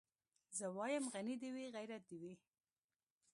زه وايم غني دي وي غيرت دي وي